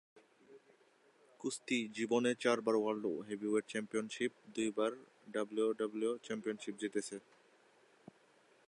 কুস্তি জীবনে চারবার ওয়ার্ল্ড হেভিওয়েট চ্যাম্পিয়নশীপ, দুইবার ডাব্লিউডাব্লিউই চ্যাম্পিয়নশিপ জিতেছে।